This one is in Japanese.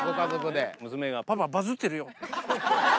娘が、パパ、バズってるよ。